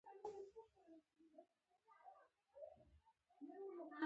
یوه ډله خلک د مدینې پر لور روان شول.